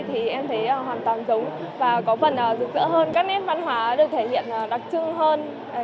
thì em thấy hoàn toàn giống và có phần rực rỡ hơn các nét văn hóa được thể hiện đặc trưng hơn